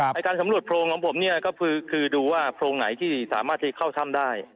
การสำรวจโพรงของผมเนี่ยก็คือดูว่าโพรงไหนที่สามารถที่จะเข้าถ้ำได้